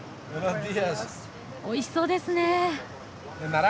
おいしそうですね。